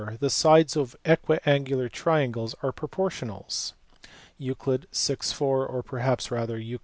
The si i^s of equiangular triangles are proportionals (1 vi. 4, or perhaps rather Euc.